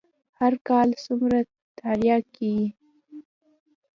هر کال څومره ترياک کيي.